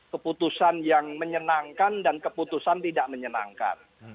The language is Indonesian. keputusan yang menyenangkan dan keputusan tidak menyenangkan